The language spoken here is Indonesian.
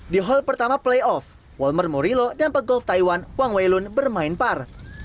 di hall pertama playoff walmer murilo dan pegolf taiwan wang weilun bermain par